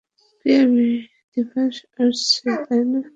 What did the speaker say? ক্রীড়া দিবস আসছে, তাই না?